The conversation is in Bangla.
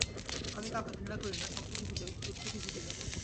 আমি কাউকে ঘৃণা করি না, সত্যকে খুঁজি কেবল।